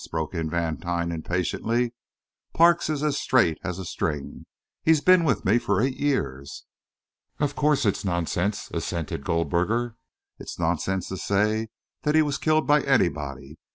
broke in Vantine, impatiently. "Parks is as straight as a string he's been with me for eight years." "Of course it's nonsense," assented Goldberger. "It's nonsense to say that he was killed by anybody.